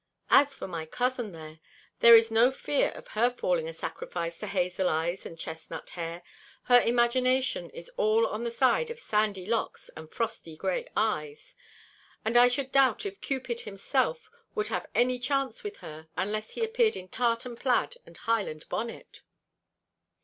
As for my cousin there, there is no fear of her falling a sacrifice to hazel eyes and chestnut hair, her imagination is all on the side of sandy locks and frosty gray eyes; and I should doubt if Cupid himself would have any chance with her, unless he appeared in tartan plaid and Highland bonnet."